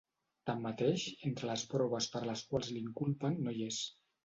Tanmateix, entre les proves per les quals l’inculpen no hi és.